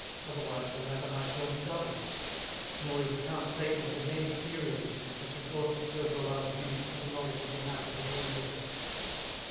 Otherwise the latter might well be doubled. Nor is account taken of the many serial issues which have brought M. Zola's views to the knowledge of the masses of all Europe.